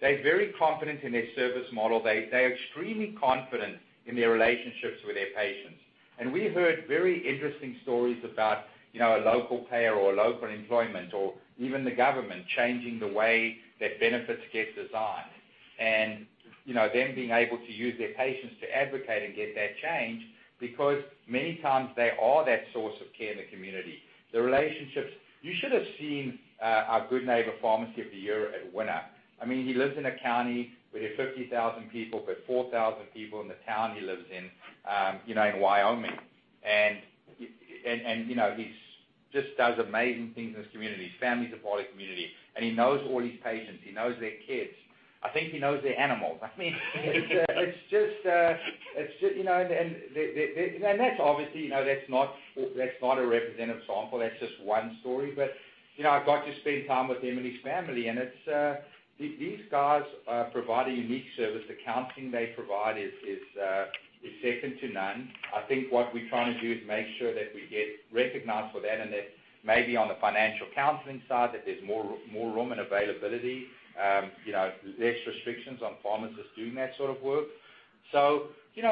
they're very confident in their service model. They're extremely confident in their relationships with their patients. We heard very interesting stories about a local payer or a local employment or even the government changing the way that benefits get designed. Them being able to use their patients to advocate and get that change because many times they are that source of care in the community. The relationships. You should have seen our Good Neighbor Pharmacy of the Year winner. He lives in a county where there are 50,000 people, but 4,000 people in the town he lives in Wyoming. He just does amazing things in his community. His family's a part of the community, and he knows all his patients. He knows their kids. I think he knows their animals. That's obviously not a representative sample. That's just one story. I got to spend time with him and his family, and these guys provide a unique service. The counseling they provide is second to none. I think what we're trying to do is make sure that we get recognized for that and that maybe on the financial counseling side, that there's more room and availability, less restrictions on pharmacists doing that sort of work. Just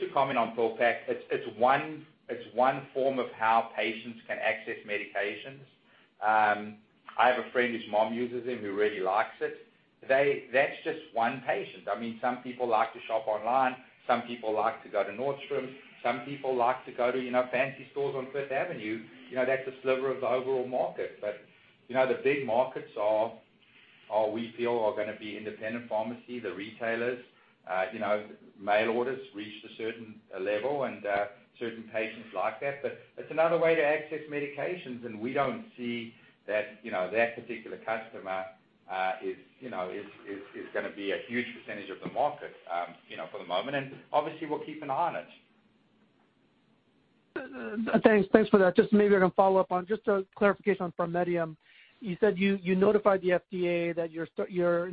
to comment on PillPack, it's one form of how patients can access medications. I have a friend whose mom uses them, who really likes it. That's just one patient. Some people like to shop online, some people like to go to Nordstrom, some people like to go to fancy stores on Fifth Avenue. That's a sliver of the overall market. The big markets we feel are going to be independent pharmacy, the retailers. Mail orders reach a certain level and certain patients like that. It's another way to access medications and we don't see that particular customer is going to be a huge percentage of the market, for the moment. Obviously we're keeping an eye on it. Thanks for that. Just maybe I can follow up on, just a clarification on PharMEDium. You said you notified the FDA that you're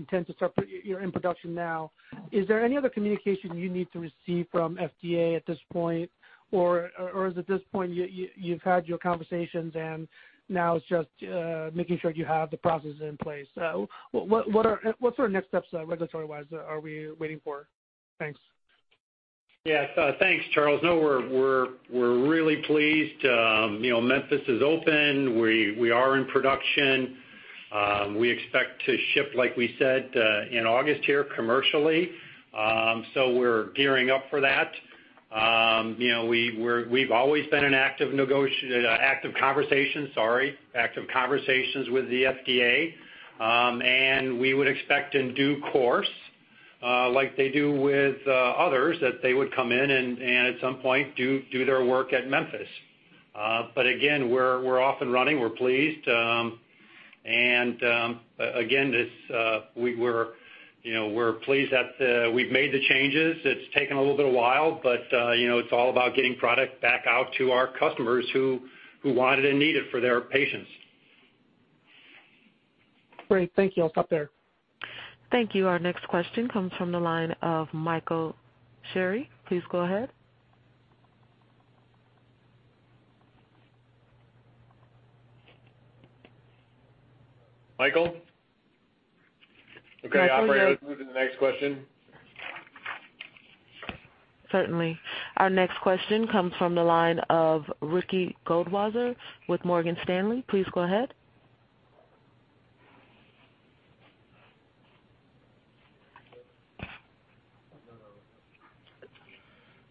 in production now. Is there any other communication you need to receive from FDA at this point? Or is it at this point, you've had your conversations and now it's just making sure you have the processes in place? What sort of next steps, regulatory-wise, are we waiting for? Thanks. Yes, thanks, Charles. No, we're really pleased. Memphis is open. We are in production. We expect to ship, like we said, in August here commercially. We're gearing up for that. We've always been in active negotiations, active conversations, sorry, active conversations with the FDA. We would expect in due course, like they do with others, that they would come in and at some point do their work at Memphis. Again, we're off and running. We're pleased. Again, we're pleased that we've made the changes. It's taken a little bit of while, but it's all about getting product back out to our customers who want it and need it for their patients. Great. Thank you. I'll stop there. Thank you. Our next question comes from the line of Michael Cherny. Please go ahead. Michael? Michael, are you- Okay, operator, let's move to the next question. Certainly. Our next question comes from the line of Ricky Goldwasser with Morgan Stanley. Please go ahead.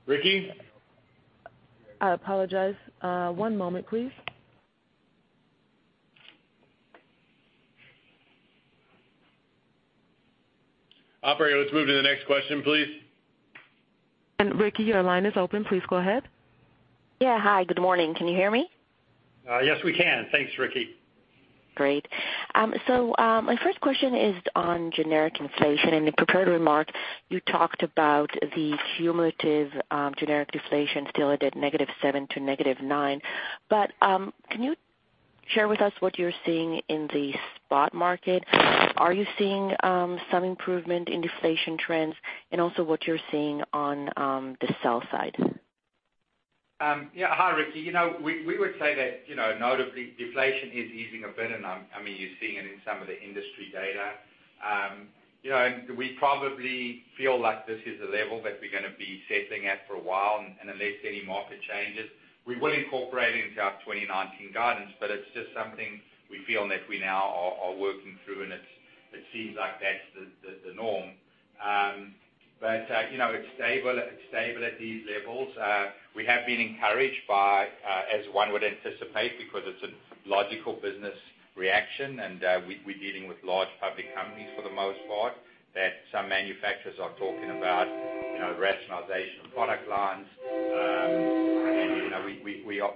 Ricky? I apologize. One moment, please. Operator, let's move to the next question, please. Ricky, your line is open. Please go ahead. Yeah. Hi, good morning. Can you hear me? Yes, we can. Thanks, Ricky. Great. My first question is on generic inflation. In the prepared remarks, you talked about the cumulative generic deflation still at a -7% to -9%. Can you share with us what you're seeing in the spot market? Are you seeing some improvement in deflation trends? Also what you're seeing on the sell side? Hi, Ricky. We would say that notably deflation is easing a bit, you're seeing it in some of the industry data. We probably feel like this is a level that we're going to be settling at for a while, unless any market changes. We will incorporate it into our 2019 guidance, it's just something we feel that we now are working through, it seems like that's the norm. It's stable at these levels. We have been encouraged by, as one would anticipate, because it's a logical business reaction, we're dealing with large public companies for the most part, that some manufacturers are talking about rationalization of product lines.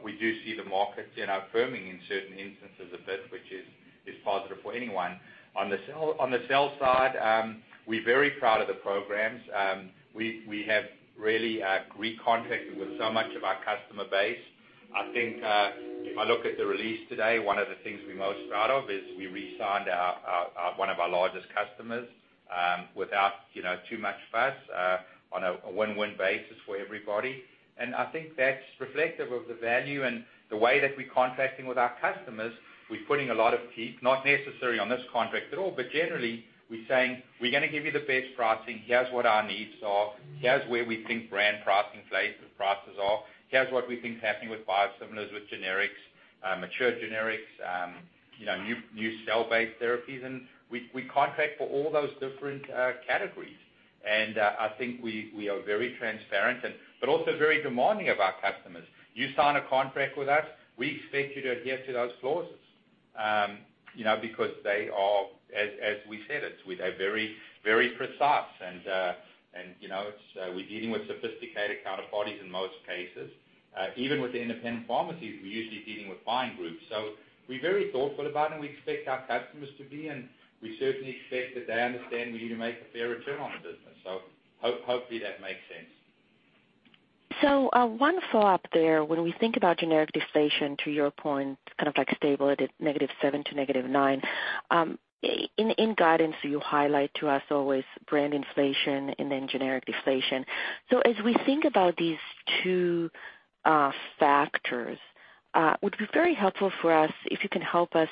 We do see the markets firming in certain instances a bit, which is positive for anyone. On the sales side, we're very proud of the programs. We have really recontracted with so much of our customer base. I think if I look at the release today, one of the things we're most proud of is we re-signed one of our largest customers, without too much fuss, on a win-win basis for everybody. I think that's reflective of the value and the way that we're contracting with our customers. We're putting a lot of teeth, not necessarily on this contract at all, generally, we're saying, "We're going to give you the best pricing. Here's what our needs are. Here's where we think brand prices are. Here's what we think is happening with biosimilars, with generics, mature generics, new cell-based therapies." We contract for all those different categories. I think we are very transparent, also very demanding of our customers. You sign a contract with us, we expect you to adhere to those clauses. They are, as we said it, they're very precise, we're dealing with sophisticated counterparties in most cases. Even with the independent pharmacies, we're usually dealing with buying groups. We're very thoughtful about them, we expect our customers to be, we certainly expect that they understand we need to make a fair return on the business. Hopefully that makes sense. One follow-up there. When we think about generic deflation, to your point, it's kind of stable at negative 7% to negative 9%. In guidance, you highlight to us always brand inflation and then generic deflation. As we think about these two factors, would be very helpful for us if you can help us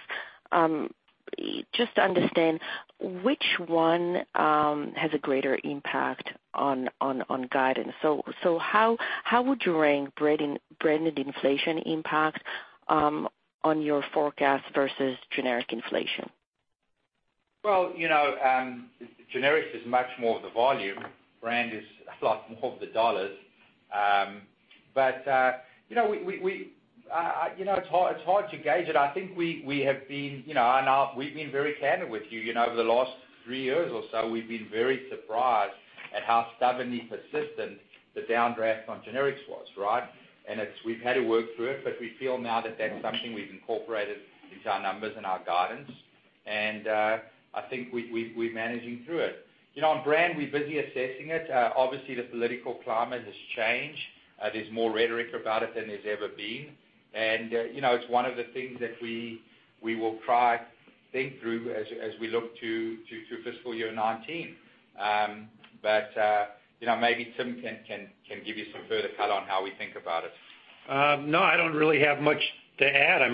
just understand which one has a greater impact on guidance. How would you rank branded inflation impact on your forecast versus generic inflation? Generics is much more of the volume. Brand is a lot more of the dollars. It's hard to gauge it. I think we have been very candid with you. Over the last three years or so, we've been very surprised at how stubbornly persistent the downdraft on generics was, right? We've had to work through it, but we feel now that that's something we've incorporated into our numbers and our guidance. I think we're managing through it. On brand, we're busy assessing it. Obviously, the political climate has changed. There's more rhetoric about it than there's ever been. It's one of the things that we will try to think through as we look to FY 2019. Maybe Tim can give you some further color on how we think about it. I don't really have much to add.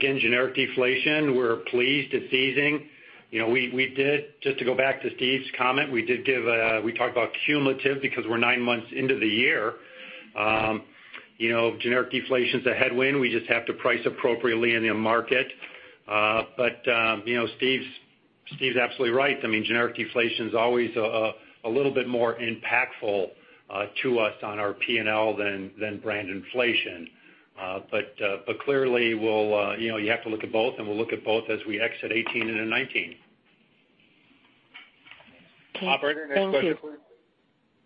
Generic deflation, we're pleased it's easing. Just to go back to Steve's comment, we talked about cumulative because we're nine months into the year. Generic deflation is a headwind. We just have to price appropriately in the market. Steve's absolutely right. Generic deflation is always a little bit more impactful to us on our P&L than brand inflation. Clearly, you have to look at both, and we'll look at both as we exit 2018 and into 2019. Thank you. Operator, next question please.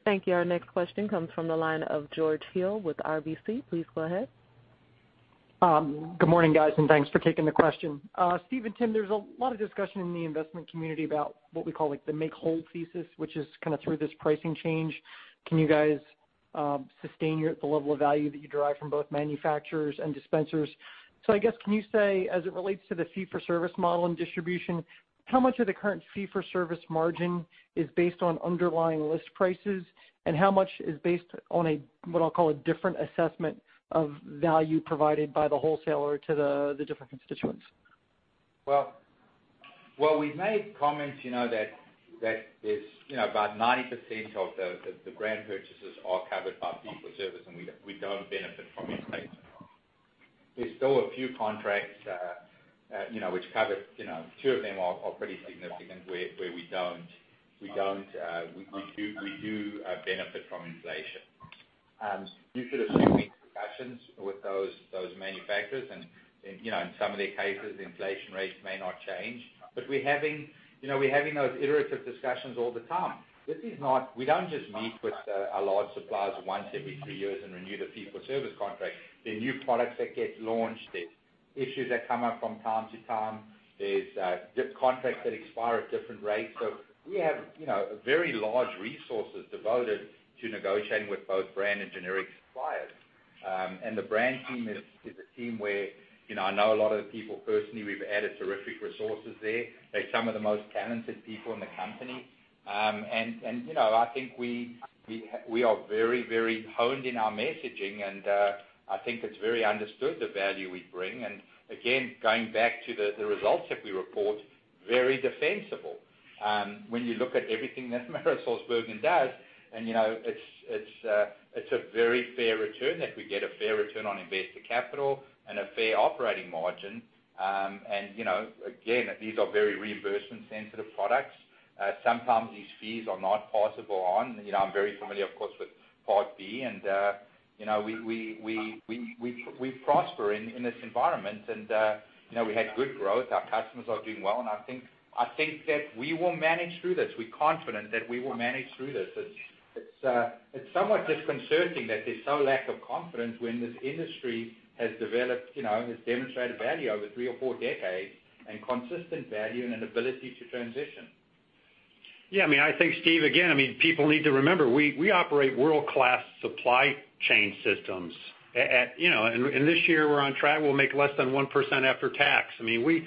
Thank you. Our next question comes from the line of George Hill with RBC. Please go ahead. Good morning, guys, and thanks for taking the question. Steve and Tim, there's a lot of discussion in the investment community about what we call the make-whole thesis, which is through this pricing change. Can you guys sustain the level of value that you derive from both manufacturers and dispensers? I guess, can you say, as it relates to the fee-for-service model and distribution, how much of the current fee-for-service margin is based on underlying list prices, and how much is based on what I'll call a different assessment of value provided by the wholesaler to the different constituents? Well, we've made comments that about 90% of the brand purchases are covered by fee-for-service, and we don't benefit from inflation. There's still a few contracts which cover, two of them are pretty significant, where we do benefit from inflation. You should assume we have discussions with those manufacturers, and in some of their cases, the inflation rates may not change. We're having those iterative discussions all the time. We don't just meet with our large suppliers once every three years and renew the fee-for-service contract. There are new products that get launched. There's issues that come up from time to time. There's contracts that expire at different rates. We have very large resources devoted to negotiating with both brand and generic suppliers. The brand team is a team where I know a lot of the people personally. We've added terrific resources there. They're some of the most talented people in the company. I think we are very, very honed in our messaging and I think it's very understood the value we bring, and again, going back to the results that we report, very defensible. When you look at everything that AmerisourceBergen does, it's a very fair return that we get, a fair return on investor capital and a fair operating margin. Again, these are very reimbursement-sensitive products. Sometimes these fees are not passible on. I'm very familiar, of course, with Part D and we prosper in this environment. We had good growth. Our customers are doing well, and I think that we will manage through this. We're confident that we will manage through this. It's somewhat disconcerting that there's so lack of confidence when this industry has demonstrated value over three or four decades, and consistent value and an ability to transition. Yeah. I think, Steve, again, people need to remember, we operate world-class supply chain systems. This year we're on track, we'll make less than 1% after tax. We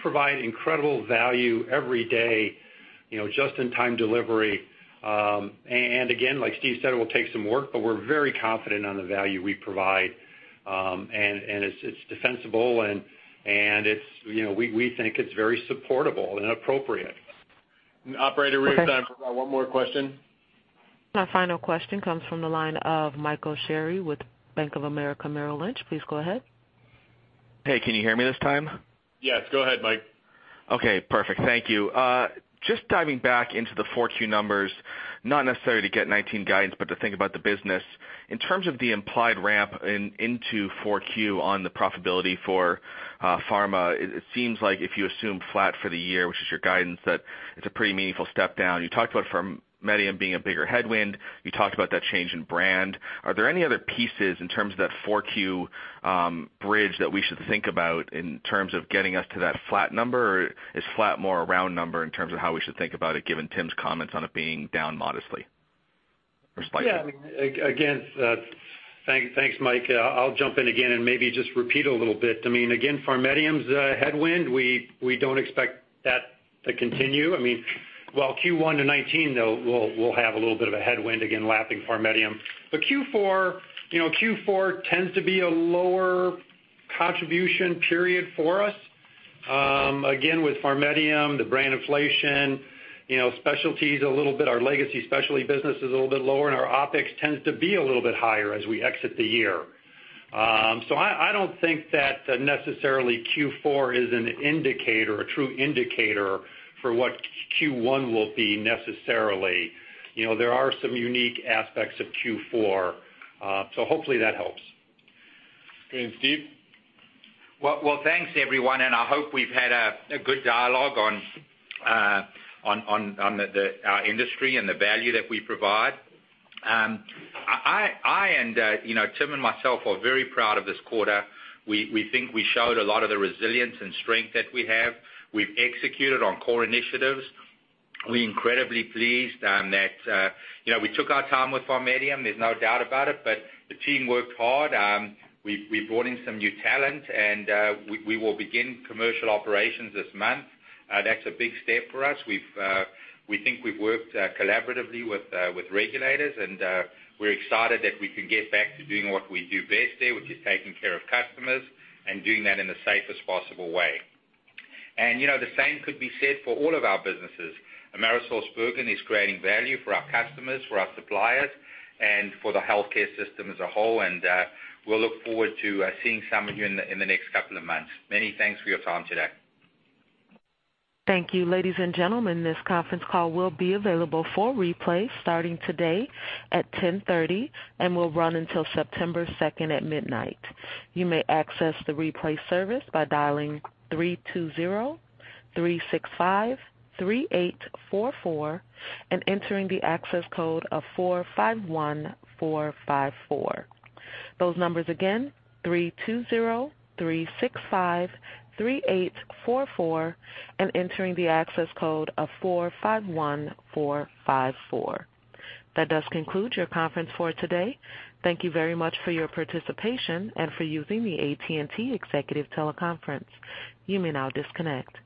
provide incredible value every day, just-in-time delivery. Again, like Steve said, it will take some work, but we're very confident on the value we provide. It's defensible and we think it's very supportable and appropriate. Operator, we have time for one more question. Our final question comes from the line of Michael Cherny with Bank of America Merrill Lynch. Please go ahead. Hey, can you hear me this time? Yes. Go ahead, Mike. Okay. Perfect. Thank you. Just diving back into the 4Q numbers, not necessarily to get 2019 guidance, but to think about the business. In terms of the implied ramp into 4Q on the profitability for pharma, it seems like if you assume flat for the year, which is your guidance, that it's a pretty meaningful step down. You talked about PharMEDium being a bigger headwind. You talked about that change in brand. Are there any other pieces in terms of that 4Q bridge that we should think about in terms of getting us to that flat number? Or is flat more a round number in terms of how we should think about it, given Tim's comments on it being down modestly or slightly? Thanks, Mike. I'll jump in again and maybe just repeat a little bit. PharMEDium's a headwind. We don't expect that to continue. Q1 to 2019 though, we'll have a little bit of a headwind, lapping PharMEDium. Q4 tends to be a lower contribution period for us. With PharMEDium, the brand inflation, specialties a little bit, our legacy specialty business is a little bit lower, and our OpEx tends to be a little bit higher as we exit the year. I don't think that necessarily Q4 is an indicator, a true indicator for what Q1 will be necessarily. There are some unique aspects of Q4. Hopefully that helps. Steve? Thanks, everyone. I hope we've had a good dialogue on our industry and the value that we provide. Tim and myself are very proud of this quarter. We think we showed a lot of the resilience and strength that we have. We've executed on core initiatives. We're incredibly pleased that we took our time with PharMEDium, there's no doubt about it. The team worked hard. We brought in some new talent. We will begin commercial operations this month. That's a big step for us. We think we've worked collaboratively with regulators. We're excited that we can get back to doing what we do best there, which is taking care of customers and doing that in the safest possible way. The same could be said for all of our businesses. AmerisourceBergen is creating value for our customers, for our suppliers, and for the healthcare system as a whole. We'll look forward to seeing some of you in the next couple of months. Many thanks for your time today. Thank you. Ladies and gentlemen, this conference call will be available for replay starting today at 10:30 and will run until September 2nd at midnight. You may access the replay service by dialing three, two, zero, three, six, five, three, eight, four and entering the access code of four, five, one, four, five, four. Those numbers again, three, two, zero, three, six, five, three, eight, four and entering the access code of four, five, one, four, five, four. That does conclude your conference for today. Thank you very much for your participation and for using the AT&T Executive Teleconference. You may now disconnect.